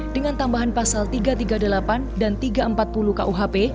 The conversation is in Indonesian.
dengan tambahan pasal tiga ratus tiga puluh delapan dan tiga ratus empat puluh kuhp